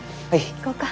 行こうか。